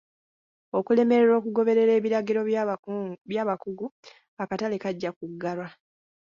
Okulemererwa okugoberera ebiragiro bw'abakugu, akatale kajja kuggalwa.